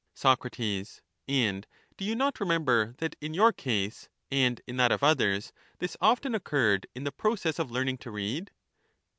Soc, And do you not remember that in your case and in that of others this often occurred in the process of learning to read